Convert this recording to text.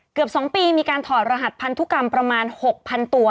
เกือบ๒ปีมีการถอดรหัสพันธุกรรมประมาณ๖๐๐๐ตัว